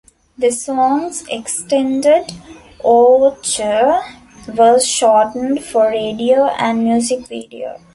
The song's extended overture was shortened for radio and music video.